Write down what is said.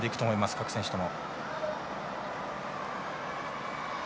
各選手とも。